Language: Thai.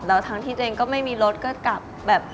แล้วทั้งที่ตัวเองก็ไม่มีรถก็กลับแบบ